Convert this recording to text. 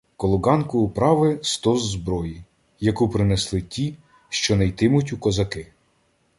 Коло ґанку управи — стос зброї, яку принесли ті, що "не йтимуть у козаки".